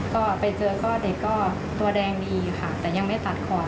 ก็ไปเจอก็เด็กก็ตัวแดงดีค่ะแต่ยังไม่ตัดคอ